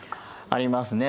ありますね。